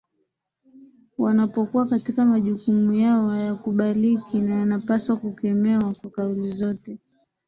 wanapokuwa katika majukumu yao hayakubaliki na yanapaswa kukemewa kwa kauli zote